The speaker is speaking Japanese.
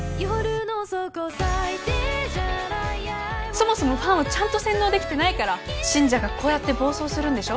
そもそもファンをちゃんと洗脳できてないから信者がこうやって暴走するんでしょ。